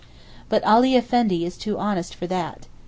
But Ali Effendi is too honest for that.